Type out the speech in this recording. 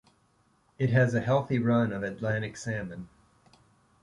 It has a healthy run of Atlantic Salmon.